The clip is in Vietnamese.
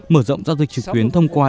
mở rộng giao dịch trực tuyến thông qua